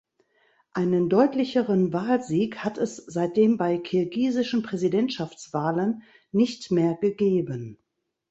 Einen deutlicheren Wahlsieg hat es seitdem bei kirgisischen Präsidentschaftswahlen nicht mehr gegeben.